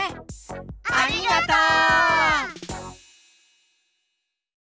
ありがとう！